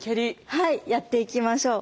はいやっていきましょう。